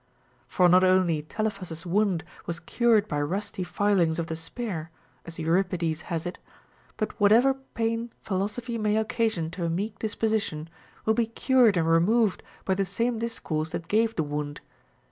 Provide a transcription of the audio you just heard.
For not only Telephus's wound was cured by rusty filings of the spear (as Euripides has it), but Avhatever pain philosophy may occasion to a meek disposition will be cured and removed by the same discourse that gave the wound.